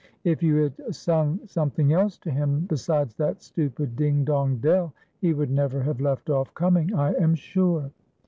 '' If you had sung something else to him besides that stupid ' Ding, dong, dell,' he would never have left off coming, I am sure."